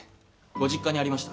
ご実家にありました。